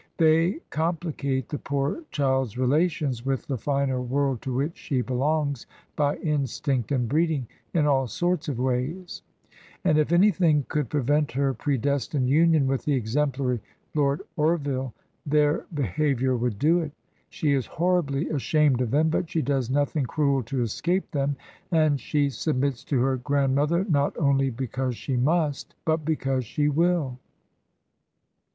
They compUcate the poor child's relations with the finer world to which she belongs by instinct and breeding, in all sorts of ways; and if an3^thing could prevent her predestined union with the exemplary Lord Orville, their behavior would do it. She is horribly ashamed of them, but she does nothing cruel to escape them, and she submits to her grandmother not only be cause she must, but because she will.